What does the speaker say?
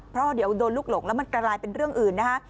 เพราะเดี๋ยวโดนลูกหลงแล้วมันกลายเป็นเรื่องอื่นนะคะ